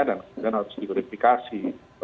dan harus diverifikasi